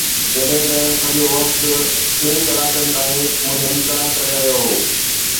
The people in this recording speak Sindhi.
جڏهن ته سڄو وفد ٻن ڪلاڪن تائين منهنجو انتظار ڪري رهيو هو